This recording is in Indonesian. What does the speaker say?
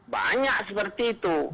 banyak seperti itu